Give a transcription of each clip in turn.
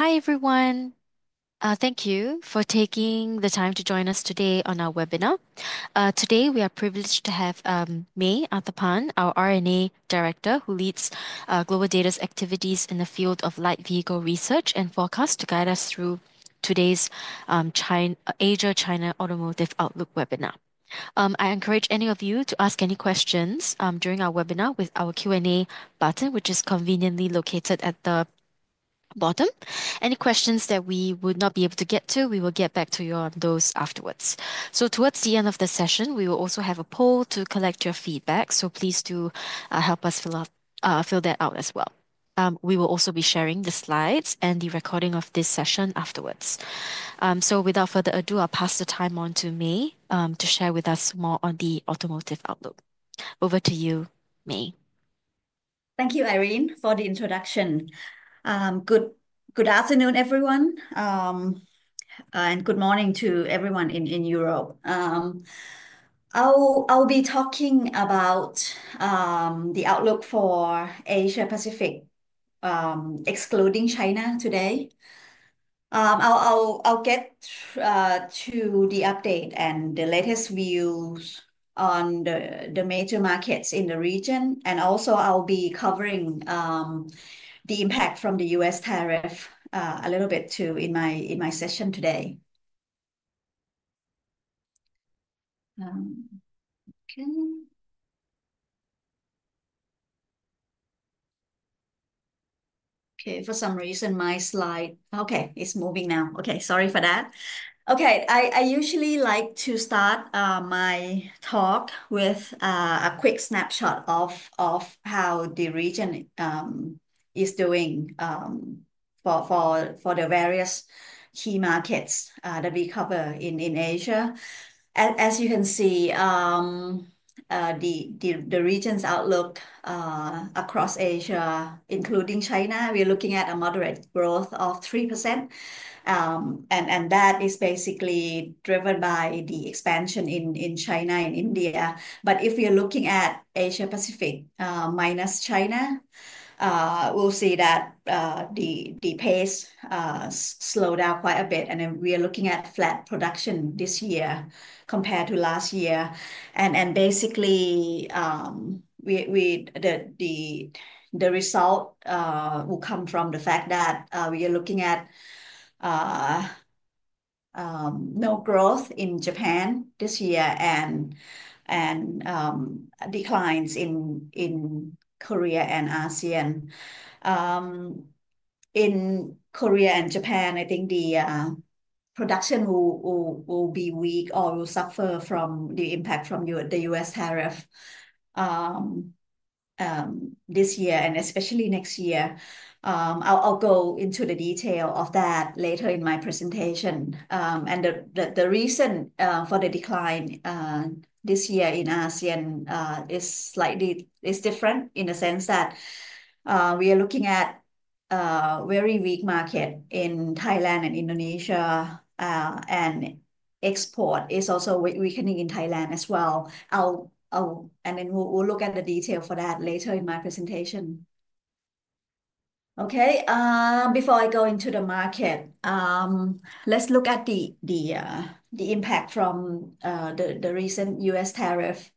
Hi everyone. Thank you for taking the time to join us today on our webinar. Today, we are privileged to have May Arthapan, our Director of Research & Analysis, who leads GlobalData's activities in the field of light vehicle research and forecasts to guide us through today's Asia-China Automotive Outlook webinar. I encourage any of you to ask any questions during our webinar with our Q&A button, which is conveniently located at the bottom. Any questions that we would not be able to get to, we will get back to you on those afterwards. Towards the end of the session, we will also have a poll to collect your feedback, so please do help us fill that out as well. We will also be sharing the slides and the recording of this session afterwards. Without further ado, I'll pass the time on to May to share with us more on the Automotive Outlook. Over to you, May. Thank you, Irene, for the introduction. Good afternoon, everyone, and good morning to everyone in Europe. I'll be talking about the outlook for Asia-Pacific, excluding China today. I'll get to the update and the latest views on the major markets in the region, and also I'll be covering the impact from the U.S. tariff a little bit too in my session today. I usually like to start my talk with a quick snapshot of how the region is doing for the various key markets that we cover in Asia. As you can see, the region's outlook across Asia, including China, we are looking at a moderate growth of 3%, and that is basically driven by the expansion in China and India. If we are looking at Asia-Pacific minus China, we'll see that the pace slowed down quite a bit, and we are looking at flat production this year compared to last year. Basically, the result will come from the fact that we are looking at no growth in Japan this year and declines in Korea and ASEAN. In Korea and Japan, I think the production will be weak or will suffer from the impact from the U.S. tariff this year, especially next year. I'll go into the detail of that later in my presentation. The reason for the decline this year in ASEAN is slightly different in the sense that we are looking at a very weak market in Thailand and Indonesia, and export is also weakening in Thailand as well. We'll look at the detail for that later in my presentation. Before I go into the market, let's look at the impact from the recent U.S. tariff.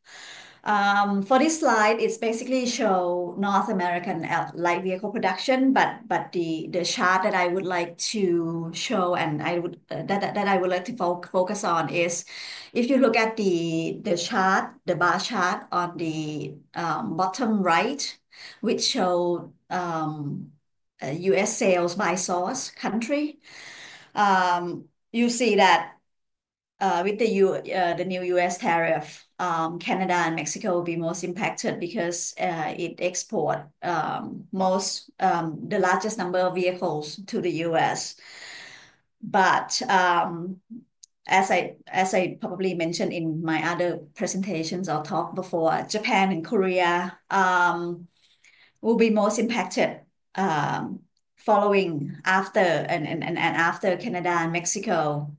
For this slide, it basically shows North American light vehicle production, but the chart that I would like to show and that I would like to focus on is if you look at the chart, the bar chart on the bottom right, which shows U.S. sales by source country, you'll see that with the new U.S. tariff, Canada and Mexico will be most impacted because it exports the largest number of vehicles to the U.S. As I probably mentioned in my other presentations or talk before, Japan and Korea will be most impacted following after Canada and Mexico.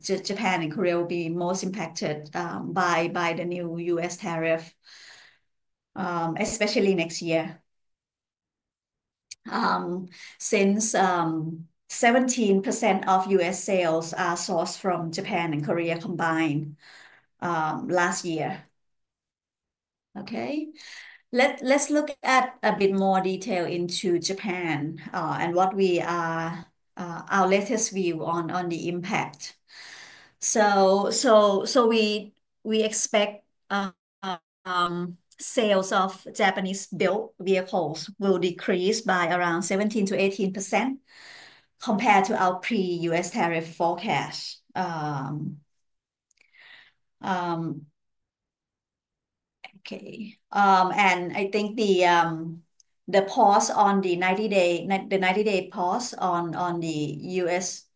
Japan and Korea will be most impacted by the new U.S. tariff, especially next year, since 17% of U.S. sales are sourced from Japan and Korea combined last year. Let's look at a bit more detail into Japan and what we are, our latest view on the impact. We expect sales of Japanese built vehicles will decrease by around 17%-18% compared to our pre-U.S. tariff forecast. I think the pause on the 90-day pause on the U.S.,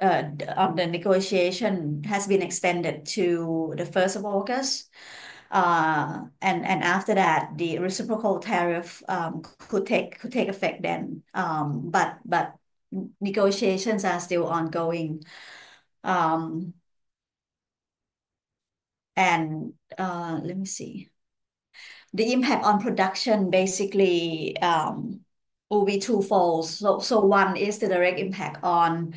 on the negotiation, has been extended to the 1st of August. After that, the reciprocal tariff could take effect then. Negotiations are still ongoing. The impact on production basically will be twofold. One is the direct impact on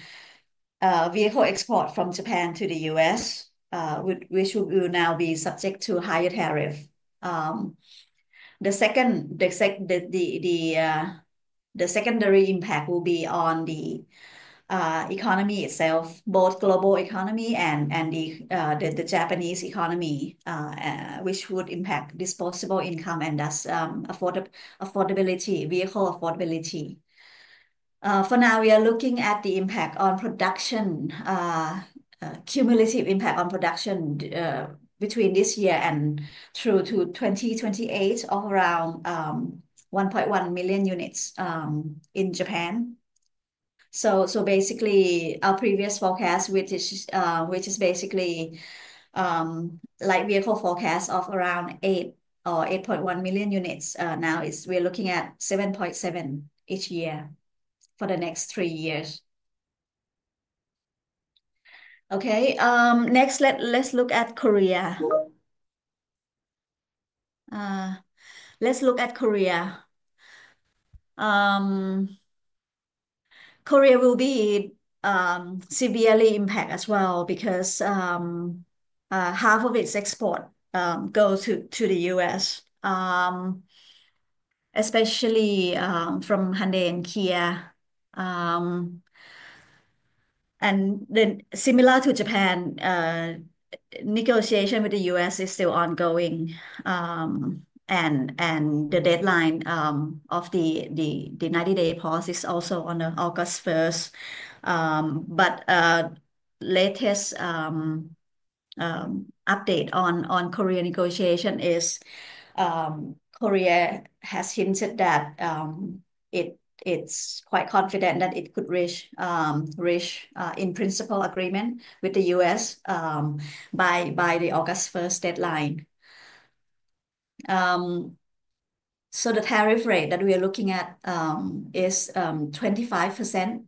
vehicle export from Japan to the U.S., which will now be subject to higher tariffs. The secondary impact will be on the economy itself, both global economy and the Japanese economy, which would impact disposable income and vehicle affordability. For now, we are looking at the impact on production, cumulative impact on production between this year and through to 2028 of around 1.1 million units in Japan. Our previous forecast, which is basically light vehicle forecast of around 8 million or 8.1 million units, now we're looking at 7.7 million each year for the next three years. Next, let's look at Korea. Korea will be severely impacted as well because half of its export goes to the U.S., especially from Hyundai and Kia. Similar to Japan, negotiation with the U.S. is still ongoing, and the deadline of the 90-day pause is also on August 1st. The latest update on Korea negotiation is Korea has hinted that it's quite confident that it could reach a principle agreement with the U.S. by the August 1st deadline. The tariff rate that we are looking at is 25%,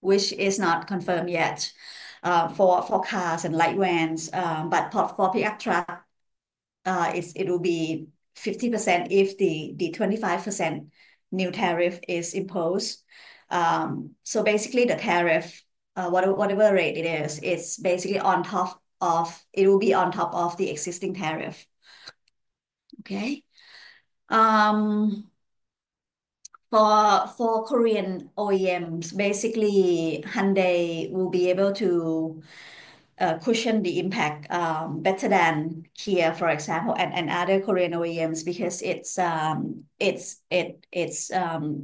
which is not confirmed yet for cars and light vans, but for pickup trucks, it will be 50% if the 25% new tariff is imposed. The tariff, whatever rate it is, is basically on top of, it will be on top of the existing tariff. For Korean OEMs, Hyundai will be able to cushion the impact better than Kia, for example, and other Korean OEMs because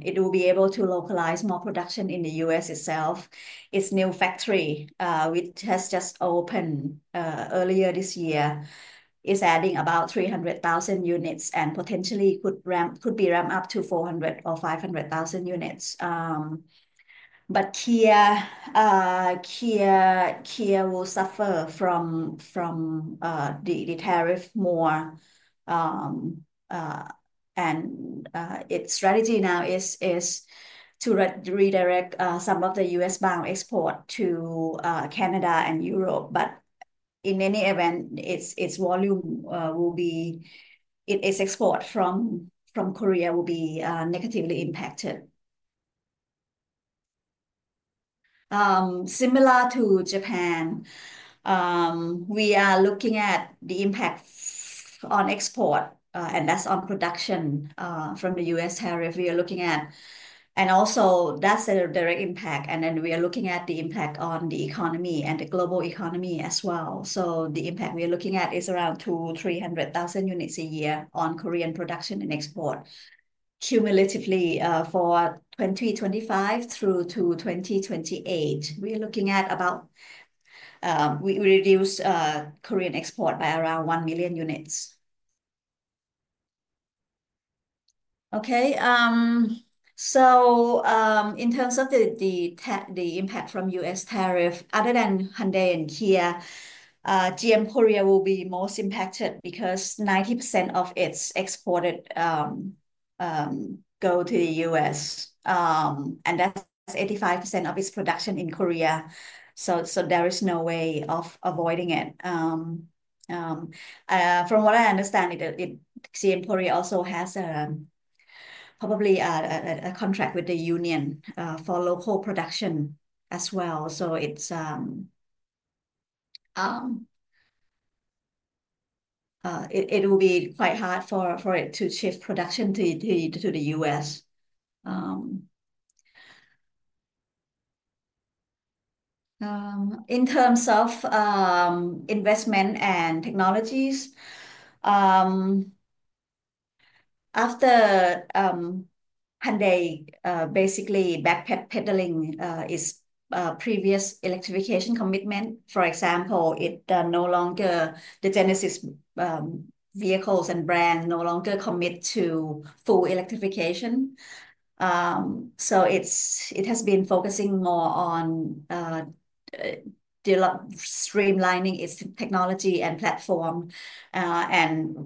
it will be able to localize more production in the U.S. itself. Its new factory, which has just opened earlier this year, is adding about 300,000 units and potentially could ramp up to 400,000 or 500,000 units. Kia will suffer from the tariff more, and its strategy now is to redirect some of the U.S. bound export to Canada and Europe. In any event, its volume will be, its export from Korea will be negatively impacted. Similar to Japan, we are looking at the impact on export, and that's on production from the U.S. tariff we are looking at. Also, that's the direct impact. We are looking at the impact on the economy and the global economy as well. The impact we are looking at is around 200,000-300,000 units a year on Korean production and export. Cumulatively, for 2025 through to 2028, we are looking at about, we reduce Korean export by around 1 million units. In terms of the impact from U.S. tariff, other than Hyundai and Kia, GM Korea will be most impacted because 90% of its exports go to the U.S., and that's 85% of its production in Korea. There is no way of avoiding it. From what I understand, GM Korea also has probably a contract with the union for local production as well. It will be quite hard for it to shift production to the U.S. In terms of investment and technologies, after Hyundai basically backpedaling its previous electrification commitment, for example, the Genesis vehicles and brand no longer commit to full electrification. It has been focusing more on streamlining its technology and platform.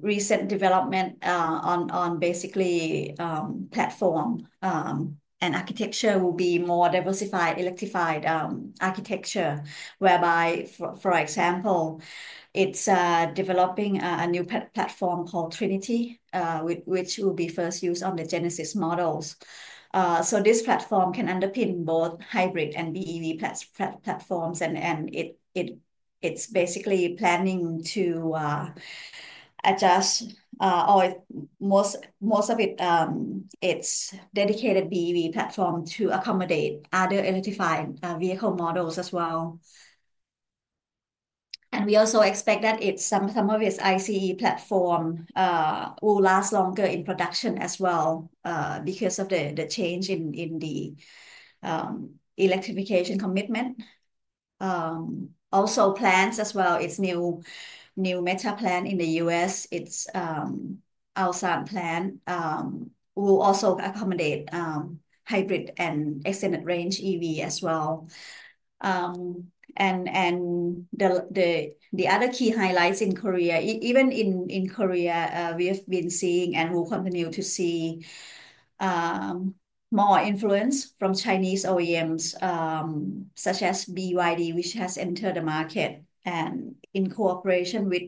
Recent development on platform and architecture will be more diversified, electrified architecture, whereby, for example, it's developing a new platform called Trinity, which will be first used on the Genesis models. This platform can underpin both hybrid and BEV platforms, and it's basically planning to adjust, or most of its dedicated BEV platform to accommodate other electrified vehicle models as well. We also expect that some of its ICE platform will last longer in production as well because of the change in the electrification commitment. Also, plans as well, its new new Meta plan in the U.S., its Alzheimer plan will also accommodate hybrid and extended range EV as well. The other key highlights in Korea, even in Korea, we have been seeing and will continue to see more influence from Chinese OEMs such as BYD, which has entered the market and in cooperation with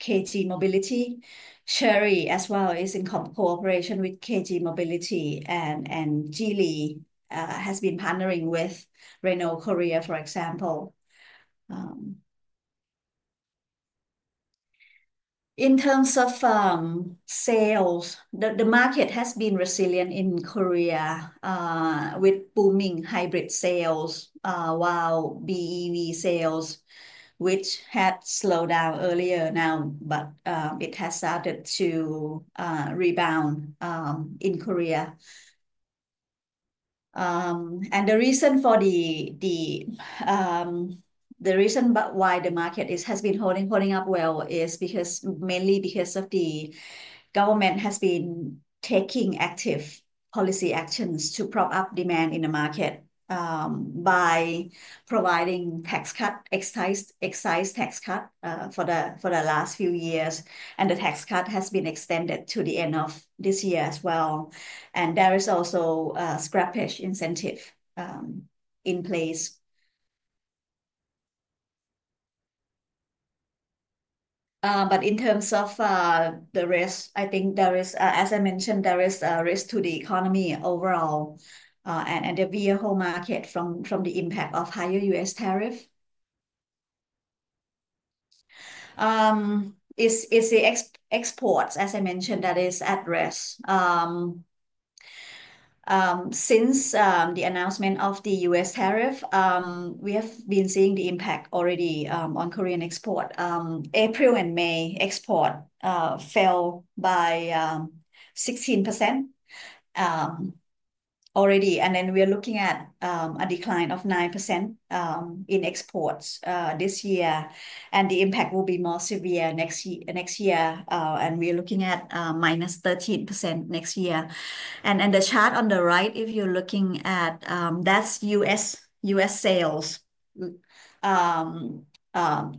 KG Mobility. Chery as well is in cooperation with KG Mobility, and Geely has been partnering with Renault Korea, for example. In terms of sales, the market has been resilient in Korea with booming hybrid sales while BEV sales, which had slowed down earlier, now, but it has started to rebound in Korea. The reason why the market has been holding up well is mainly because the government has been taking active policy actions to prop up demand in the market by providing tax cuts, excise tax cuts for the last few years, and the tax cut has been extended to the end of this year as well. There is also a scrappage incentive in place. In terms of the risk, I think there is, as I mentioned, a risk to the economy overall and the vehicle market from the impact of higher U.S. tariff. It's the exports, as I mentioned, that is at risk. Since the announcement of the U.S. tariff, we have been seeing the impact already on Korean export. April and May export fell by 16% already, and we are looking at a decline of 9% in exports this year. The impact will be more severe next year, and we are looking at -13% next year. The chart on the right, if you're looking at that, is U.S. sales,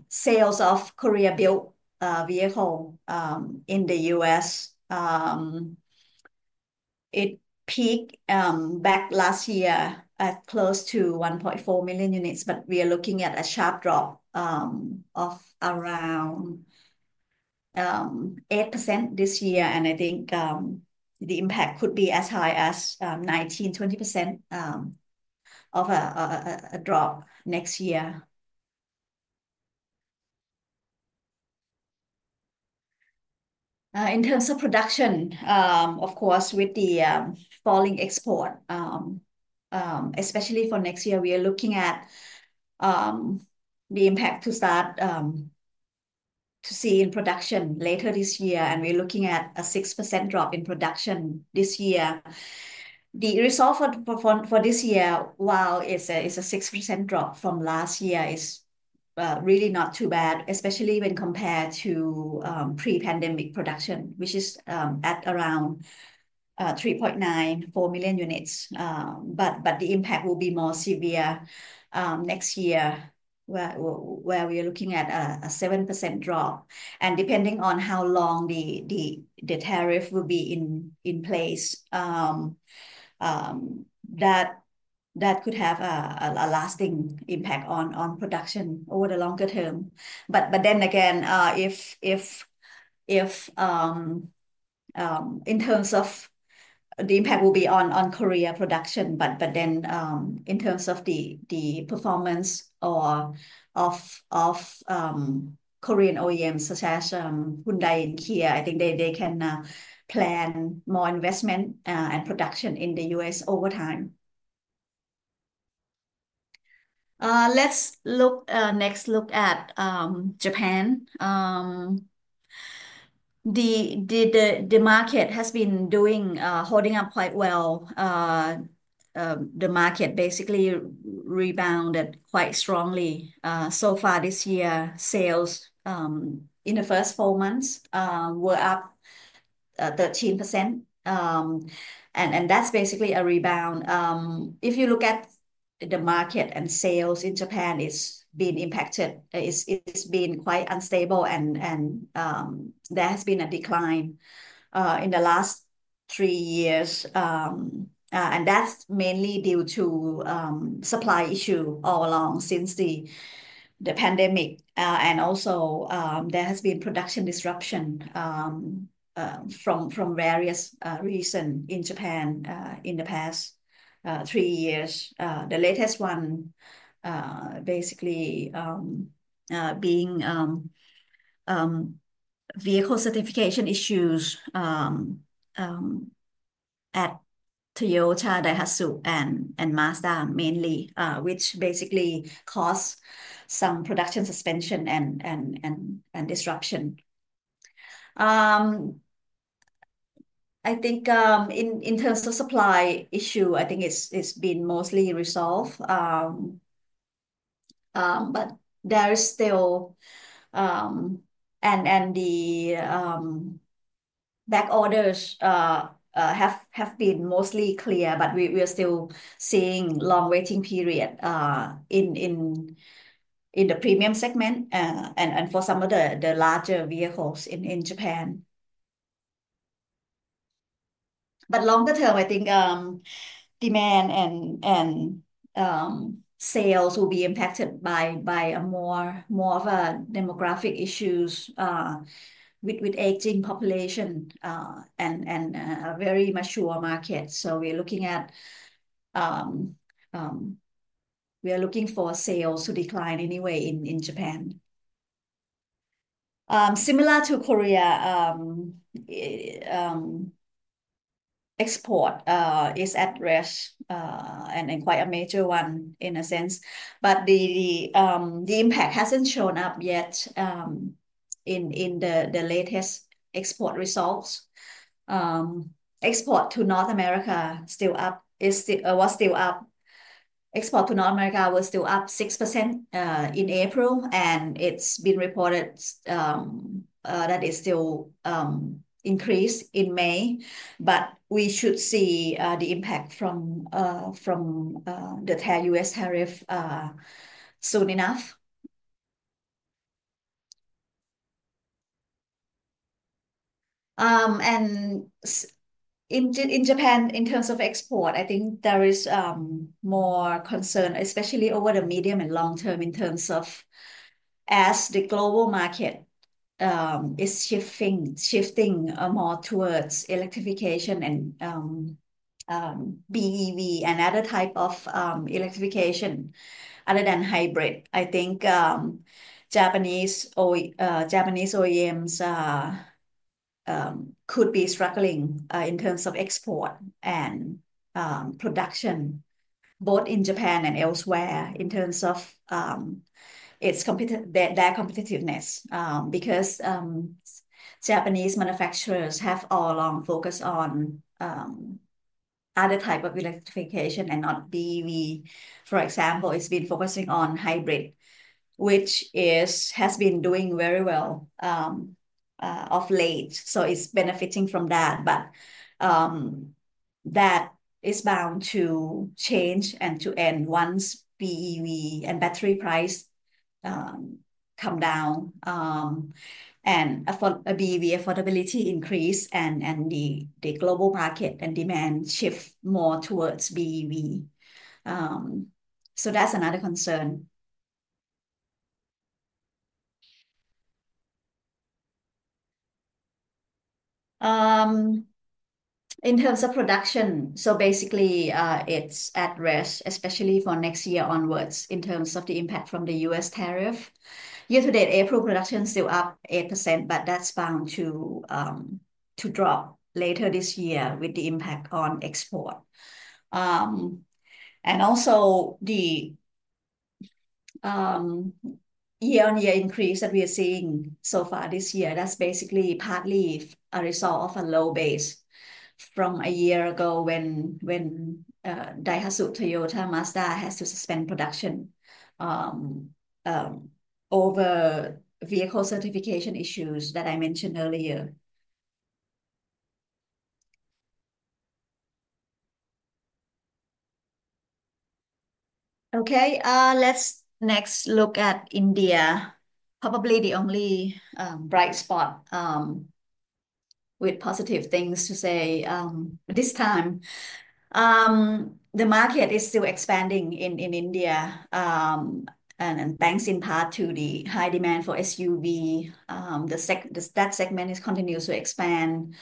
sales of Korea-built vehicle in the U.S. It peaked back last year at close to 1.4 million units, but we are looking at a sharp drop of around 8% this year. I think the impact could be as high as 19, 20% of a drop next year. In terms of production, of course, with the falling export, especially for next year, we are looking at the impact to start to see in production later this year, and we're looking at a 6% drop in production this year. The result for this year, while it's a 6% drop from last year, is really not too bad, especially when compared to pre-pandemic production, which is at around 3.9, 4 million units. The impact will be more severe next year, where we are looking at a 7% drop. Depending on how long the tariff will be in place, that could have a lasting impact on production over the longer term. In terms of the impact, it will be on Korea production, but then in terms of the performance of Korean OEMs such as Hyundai and Kia, I think they can plan more investment and production in the U.S. over time. Next, let's look at Japan. The market has been holding up quite well. The market basically rebounded quite strongly so far this year. Sales in the first four months were up 13%, and that's basically a rebound. If you look at the market and sales in Japan, it's been impacted. It's been quite unstable, and there has been a decline in the last three years. That's mainly due to supply issues all along since the pandemic. There has been production disruption from various reasons in Japan in the past three years. The latest one basically being vehicle certification issues at Toyota, Daihatsu, and Mazda mainly, which basically caused some production suspension and disruption. I think in terms of supply issues, it's been mostly resolved. The back orders have been mostly clear, but we are still seeing a long waiting period in the premium segment and for some of the larger vehicles in Japan. Longer term, I think demand and sales will be impacted by more of a demographic issues with aging population and a very mature market. We are looking for sales to decline anyway in Japan. Similar to Korea, export is at risk and quite a major one in a sense. The impact hasn't shown up yet in the latest export results. Export to North America was still up 6% in April, and it's been reported that it still increased in May. We should see the impact from the U.S. tariff soon enough. In Japan, in terms of export, I think there is more concern, especially over the medium and long term as the global market is shifting more towards electrification and BEV and other types of electrification other than hybrid. I think Japanese OEMs could be struggling in terms of export and production, both in Japan and elsewhere, in terms of their competitiveness because Japanese manufacturers have all along focused on other types of electrification and not BEV. For example, it's been focusing on hybrid, which has been doing very well of late. It's benefiting from that. That is bound to change and to end once BEV and battery price come down and BEV affordability increase and the global market and demand shift more towards BEV. That's another concern. In terms of production, it's at risk, especially for next year onwards in terms of the impact from the U.S. tariff. Year-to-date April production is still up 8%, but that's bound to drop later this year with the impact on export. The year-on-year increase that we are seeing so far this year, that's basically partly a result of a low base from a year ago when Daihatsu, Toyota, Mazda had to suspend production over vehicle certification issues that I mentioned earlier. Let's next look at India. Probably the only bright spot with positive things to say this time. The market is still expanding in India, and thanks in part to the high demand for SUV, that segment continues to expand.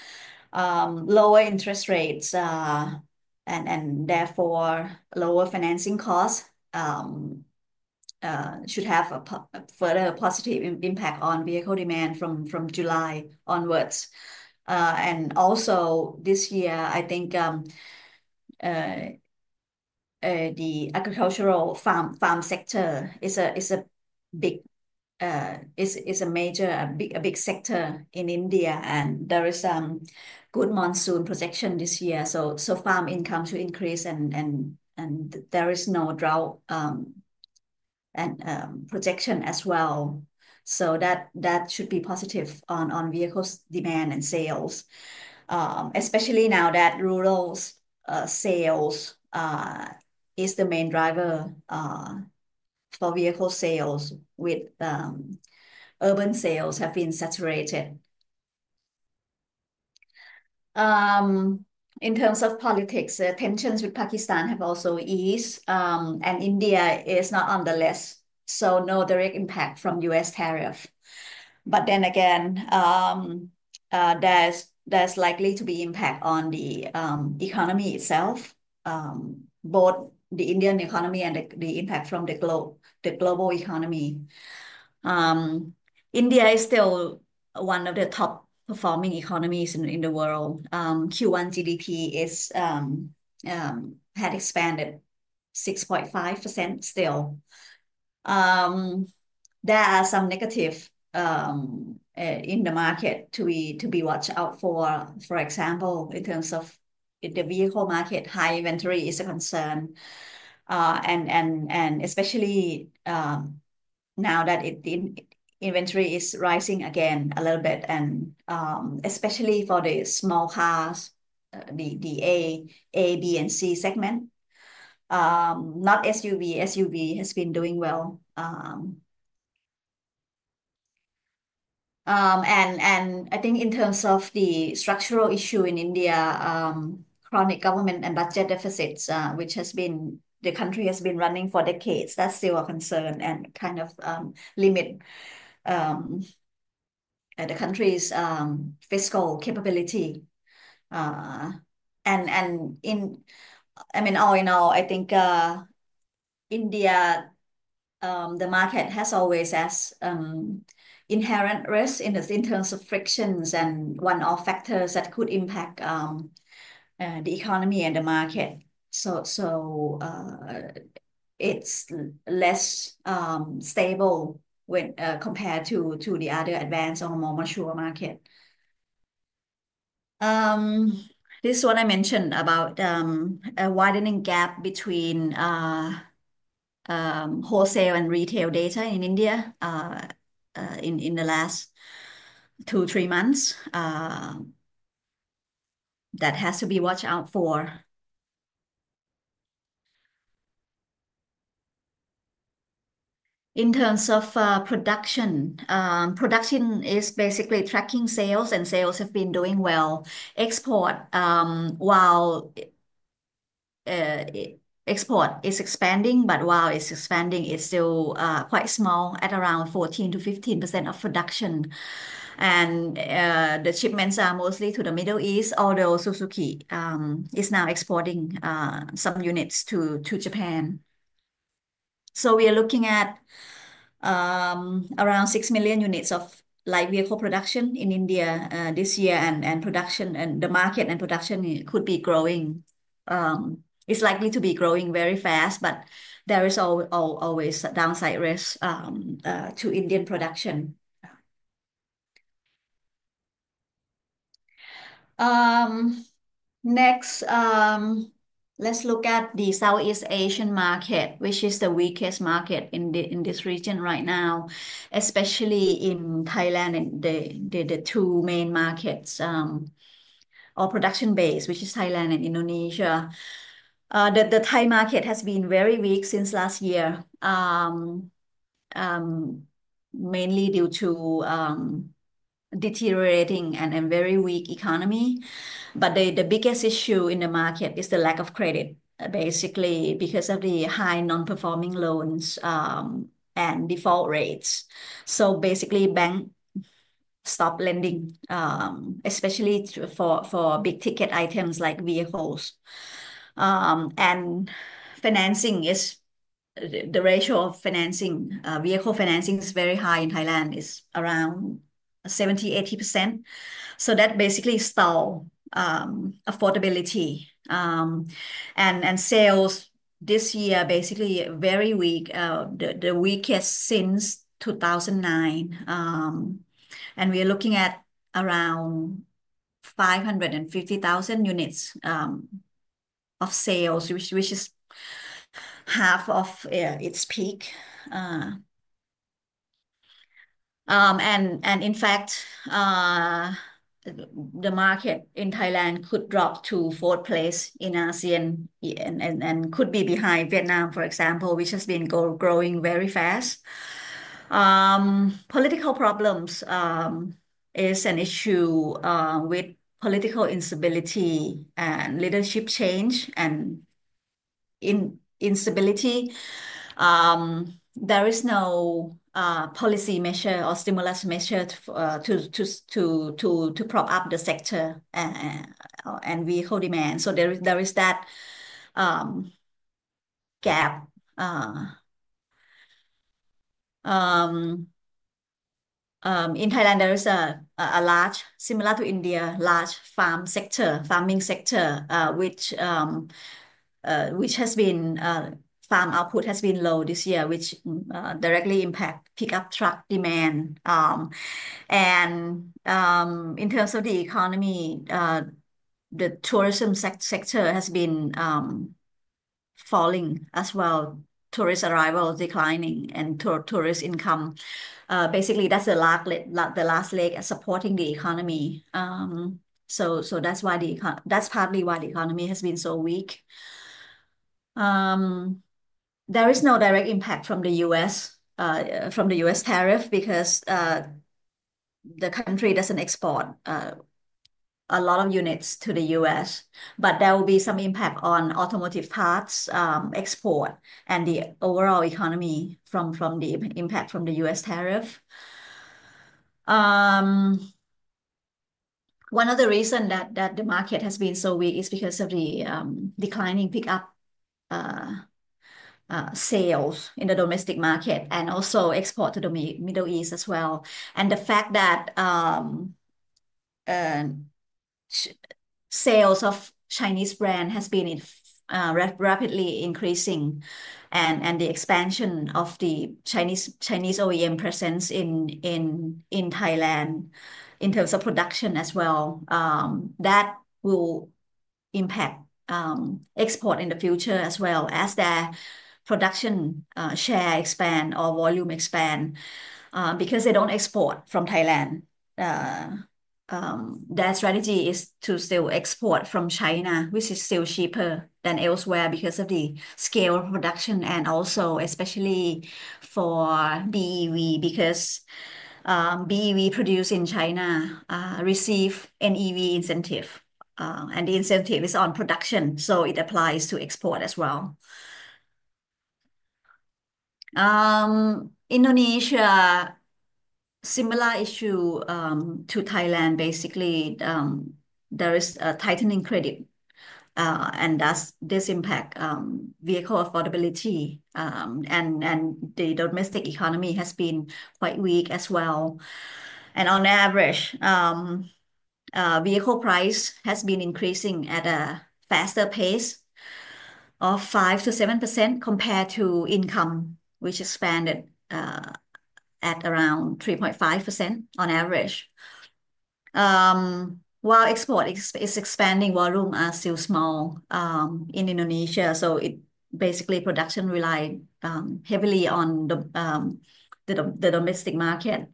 Lower interest rates, and therefore, lower financing costs should have a further positive impact on vehicle demand from July onwards. This year, I think the agricultural farm sector is a major, a big sector in India, and there is some good monsoon projection this year. Farm income should increase, and there is no drought projection as well. That should be positive on vehicles' demand and sales, especially now that rural sales are the main driver for vehicle sales, with urban sales having been saturated. In terms of politics, the tensions with Pakistan have also eased, and India is not on the list. No direct impact from U.S. tariff. There is likely to be impact on the economy itself, both the Indian economy and the impact from the global economy. India is still one of the top performing economies in the world. Q1 GDP had expanded 6.5% still. There are some negatives in the market to be watched out for. For example, in terms of the vehicle market, high inventory is a concern, especially now that the inventory is rising again a little bit, and especially for the small cars, the A, B, and C segment, not SUV. SUV has been doing well. In terms of the structural issue in India, chronic government and budget deficits, which the country has been running for decades, that's still a concern and kind of limits the country's fiscal capability. All in all, I think India, the market has always had inherent risks in terms of frictions and one-off factors that could impact the economy and the market. It's less stable when compared to the other advanced or more mature markets. This is what I mentioned about a widening gap between wholesale and retail data in India in the last two or three months that has to be watched out for. In terms of production, production is basically tracking sales, and sales have been doing well. While export is expanding, it's still quite small at around 14%-15% of production. The shipments are mostly to the Middle East, although Suzuki is now exporting some units to Japan. We are looking at around 6 million units of light vehicle production in India this year, and the market and production could be growing. It's likely to be growing very fast, but there is always a downside risk to Indian production. Next, let's look at the Southeast Asian market, which is the weakest market in this region right now, especially in Thailand, the two main markets or production base, which is Thailand and Indonesia. The Thai market has been very weak since last year, mainly due to a deteriorating and very weak economy. The biggest issue in the market is the lack of credit, basically because of the high non-performing loans and default rates. Basically, banks stop lending, especially for big-ticket items like vehicles. Financing, the ratio of vehicle financing is very high in Thailand. It's around 70%-80%. That basically stalled affordability. Sales this year are very weak, the weakest since 2009. We are looking at around 550,000 units of sales, which is half of its peak. In fact, the market in Thailand could drop to fourth place in ASEAN and could be behind Vietnam, for example, which has been growing very fast. Political problems are an issue with political instability and leadership change and instability. There is no policy measure or stimulus measure to prop up the sector and vehicle demand. There is that gap. In Thailand, there is a large, similar to India, large farming sector, which has been farm output has been low this year, which directly impacts pickup truck demand. In terms of the economy, the tourism sector has been falling as well. Tourist arrivals are declining and tourist income. Basically, that's the last leg supporting the economy. That's partly why the economy has been so weak. There is no direct impact from the U.S. tariff because the country doesn't export a lot of units to the U.S. There will be some impact on automotive parts export and the overall economy from the impact from the U.S. tariff. One of the reasons that the market has been so weak is because of the declining pickup sales in the domestic market and also export to the Middle East as well. The fact that sales of Chinese brands have been rapidly increasing and the expansion of the Chinese OEM presence in Thailand in terms of production as well, that will impact export in the future as well as their production share expands or volume expands because they don't export from Thailand. Their strategy is to still export from China, which is still cheaper than elsewhere because of the scale of production and also especially for BEV because BEV produced in China receives an EV incentive, and the incentive is on production. It applies to export as well. Indonesia, similar issue to Thailand, basically, there is tightening credit, and this impacts vehicle affordability. The domestic economy has been quite weak as well. On average, vehicle price has been increasing at a faster pace of 5%-7% compared to income, which expanded at around 3.5% on average. While export is expanding, volume is still small in Indonesia. It basically, production relies heavily on the domestic market.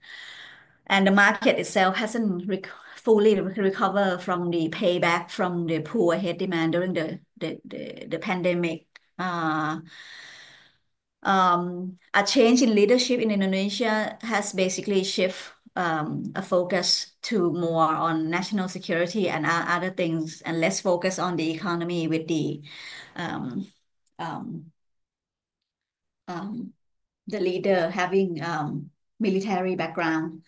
The market itself hasn't fully recovered from the payback from the poor head demand during the pandemic. A change in leadership in Indonesia has basically shifted focus more to national security and other things and less focused on the economy, with the leader having a military background.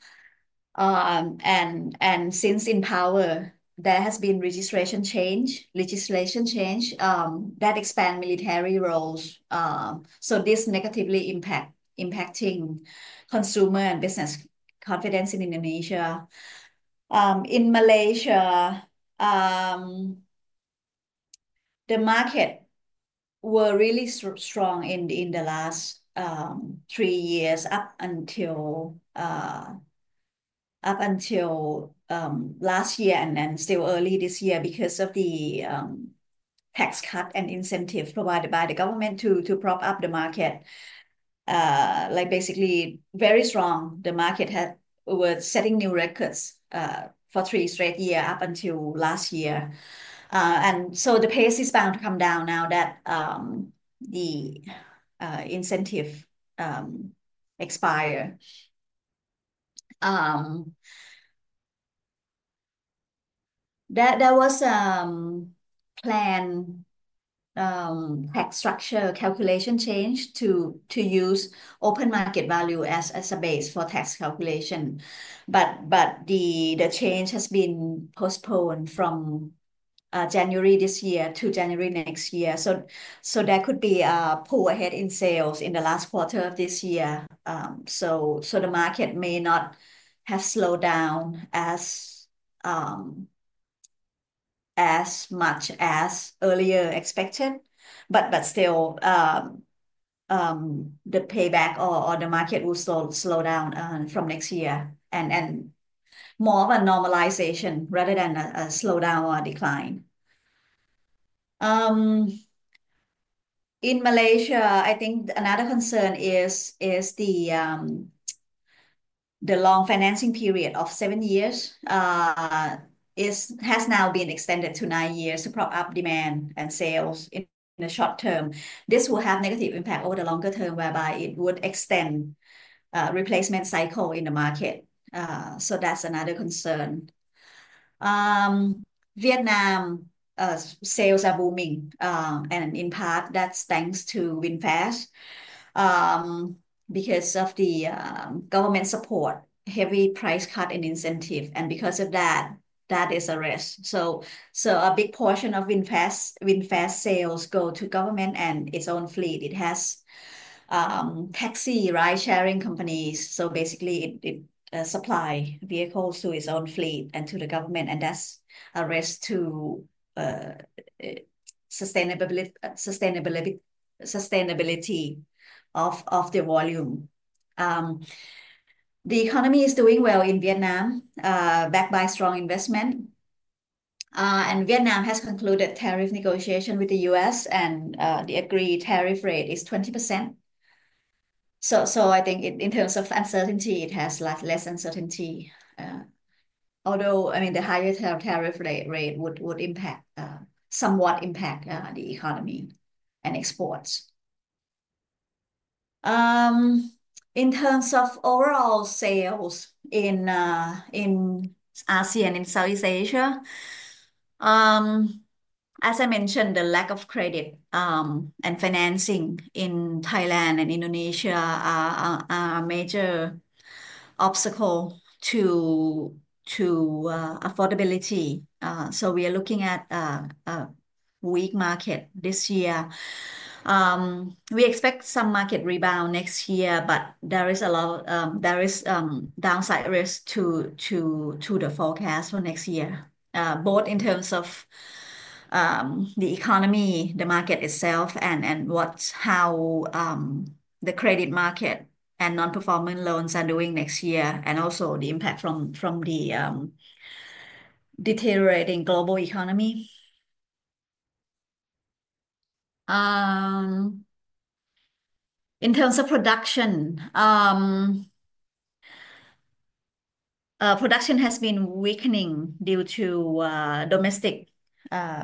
Since in power, there has been legislation change that expands military roles. This negatively impacts consumer and business confidence in Indonesia. In Malaysia, the market was really strong in the last three years up until last year and still early this year because of the tax cut and incentives provided by the government to prop up the market. Very strong, the market was setting new records for three straight years up until last year. The pace is bound to come down now that the incentives expire. There was a planned tax structure calculation change to use open market value as a base for tax calculation, but the change has been postponed from January this year to January next year. There could be a pull ahead in sales in the last quarter of this year. The market may not have slowed down as much as earlier expected. Still, the payback or the market will slow down from next year and more of a normalization rather than a slowdown or decline. In Malaysia, another concern is the long financing period of seven years has now been extended to nine years to prop up demand and sales in the short term. This will have a negative impact over the longer term, whereby it would extend the replacement cycle in the market. That's another concern. Vietnam, sales are booming, and in part, that's thanks to VinFast because of the government support, heavy price cut, and incentives. Because of that, that is a risk. A big portion of VinFast sales goes to government and its own fleet. It has taxi, ride-sharing companies. It supplies vehicles to its own fleet and to the government, and that's a risk to sustainability of the volume. The economy is doing well in Vietnam, backed by strong investment. Vietnam has concluded tariff negotiations with the U.S., and the agreed tariff rate is 20%. I think in terms of uncertainty, it has less uncertainty. Although the higher tariff rate would somewhat impact the economy and exports. In terms of overall sales in Asia and Southeast Asia, as I mentioned, the lack of credit and financing in Thailand and Indonesia are major obstacles to affordability. We are looking at a weak market this year. We expect some market rebound next year, but there is a lot of downside risk to the forecast for next year, both in terms of the economy, the market itself, how the credit market and non-performance loans are doing next year, and also the impact from the deteriorating global economy. In terms of production, production has been weakening due to domestic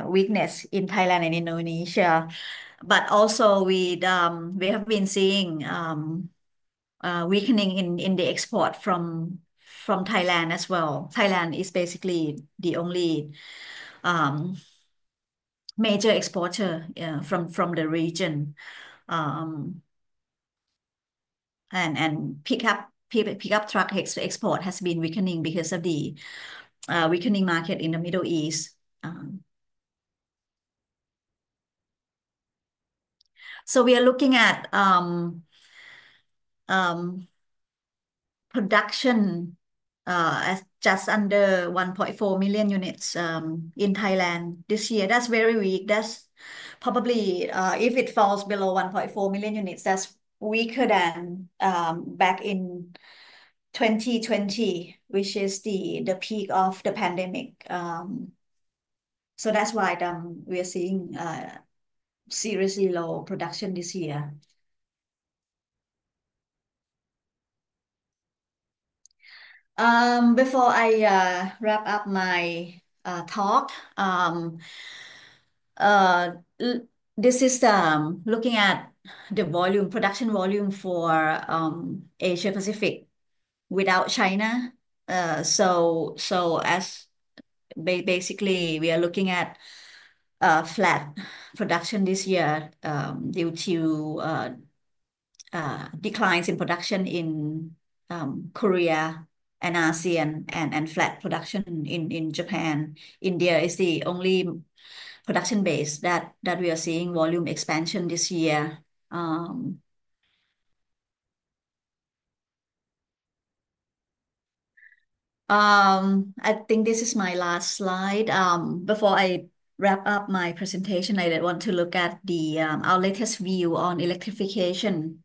weakness in Thailand and Indonesia. We have been seeing weakening in the export from Thailand as well. Thailand is basically the only major exporter from the region. Pickup truck export has been weakening because of the weakening market in the Middle East. We are looking at production just under 1.4 million units in Thailand this year. That's very weak. If it falls below 1.4 million units, that's weaker than back in 2020, which is the peak of the pandemic. That's why we are seeing seriously low production this year. Before I wrap up my talk, this is looking at the production volume for Asia-Pacific without China. Basically, we are looking at flat production this year due to declines in production in Korea and ASEAN and flat production in Japan. India is the only production base that we are seeing volume expansion this year. I think this is my last slide. Before I wrap up my presentation, I want to look at our latest view on electrification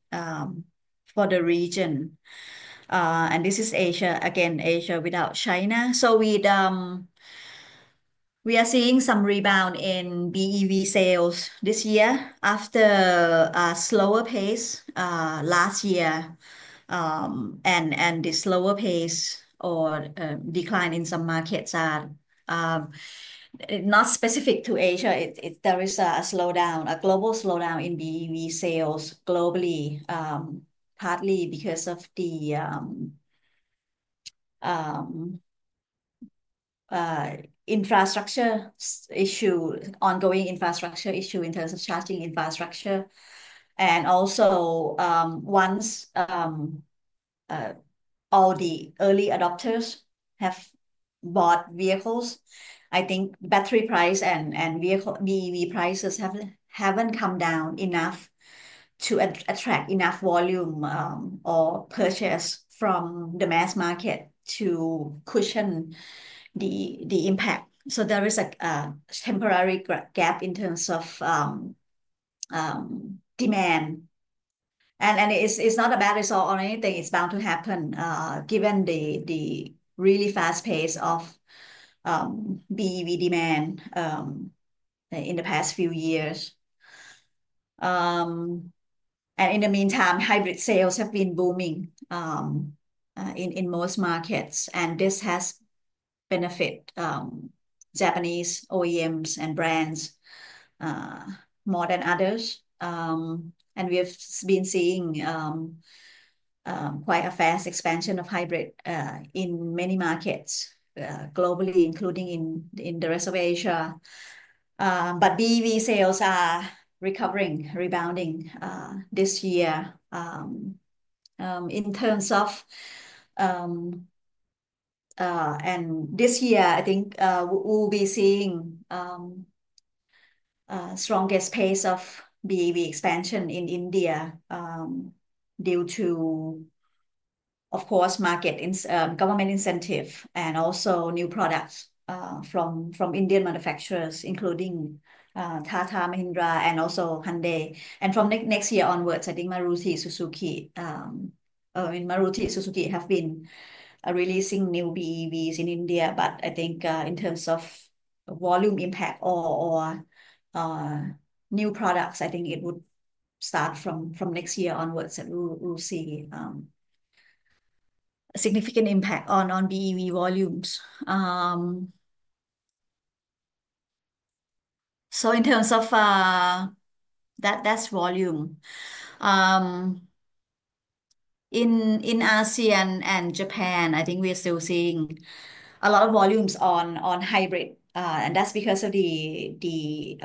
for the region. This is Asia, again, Asia without China. We are seeing some rebound in BEV sales this year after a slower pace last year. The slower pace or decline in some markets are not specific to Asia. There is a slowdown, a global slowdown in BEV sales globally, partly because of the infrastructure issue, ongoing infrastructure issue in terms of charging infrastructure. Once all the early adopters have bought vehicles, I think battery price and vehicle BEV prices haven't come down enough to attract enough volume or purchase from the mass market to cushion the impact. There is a temporary gap in terms of demand. It's not a bad result or anything. It's bound to happen given the really fast pace of BEV demand in the past few years. In the meantime, hybrid sales have been booming in most markets. This has benefited Japanese OEMs and brands more than others. We have been seeing quite a fast expansion of hybrid in many markets globally, including in the rest of Asia. BEV sales are recovering, rebounding this year. This year, I think we'll be seeing the strongest pace of BEV expansion in India due to, of course, market government incentives and also new products from Indian manufacturers, including Tata, Mahindra, and also Hyundai. From next year onwards, I think Maruti Suzuki, I mean, Maruti Suzuki have been releasing new BEVs in India. I think in terms of volume impact or new products, it would start from next year onwards that we'll see a significant impact on BEV volumes. In terms of that volume in ASEAN and Japan, we are still seeing a lot of volumes on hybrid. That's because of the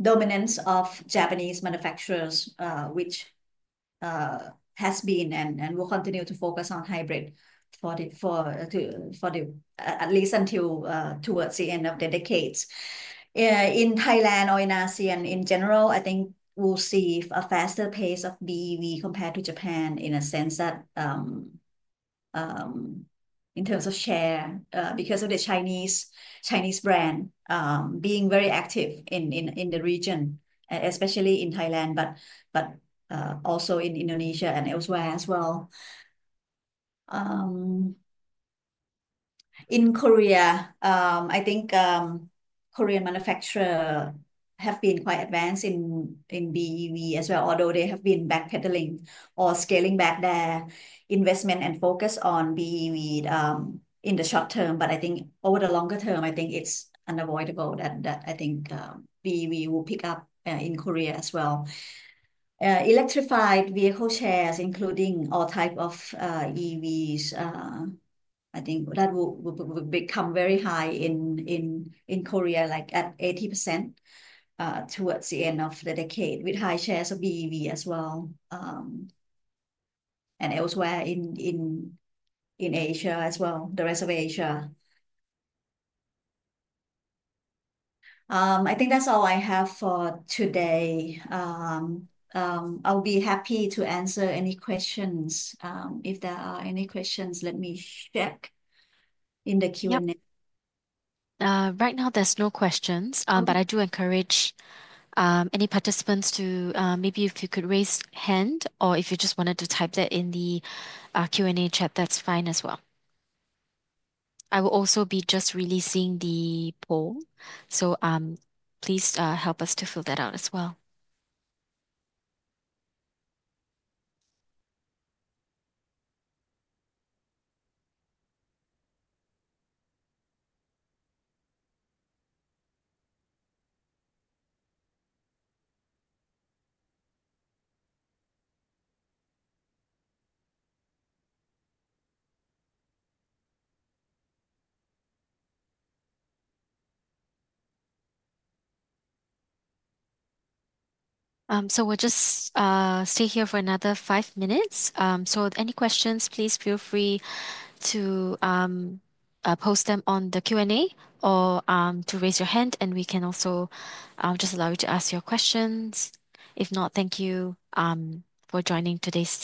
dominance of Japanese manufacturers, which has been and will continue to focus on hybrid for at least until towards the end of the decade. In Thailand or in ASEAN in general, I think we'll see a faster pace of BEV compared to Japan in a sense that in terms of share because of the Chinese brand being very active in the region, especially in Thailand, but also in Indonesia and elsewhere as well. In Korea, I think Korean manufacturers have been quite advanced in BEV as well, although they have been backpedaling or scaling back their investment and focus on BEV in the short term. I think over the longer term, it's unavoidable that BEV will pick up in Korea as well. Electrified vehicle shares, including all types of EVs, I think that will become very high in Korea, like at 80% towards the end of the decade with high shares of BEV as well and elsewhere in Asia as well, the rest of Asia. I think that's all I have for today. I'll be happy to answer any questions. If there are any questions, let me check in the Q&A. Right now, there's no questions, but I do encourage any participants to maybe, if you could, raise your hand or if you just wanted to type that in the Q&A chat, that's fine as well. I will also be just releasing the poll, so please help us to fill that out as well. We'll just stay here for another five minutes. Any questions, please feel free to post them on the Q&A or to raise your hand, and we can also just allow you to ask your questions. If not, thank you for joining today's.